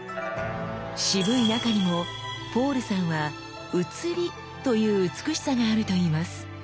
渋い中にもポールさんは「映り」という美しさがあるといいます。